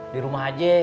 di rumah aja